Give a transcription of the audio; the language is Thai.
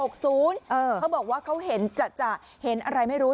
เขาบอกว่าเขาเห็นจะเห็นอะไรไม่รู้